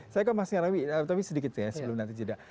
saya kemasnya tapi sedikit sebelum nanti jeda